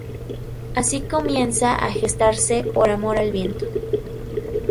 Así comienza a gestarse Por amor al viento.